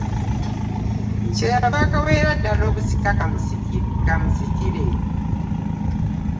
Kye yava akaweera ddala obusika okumusikira.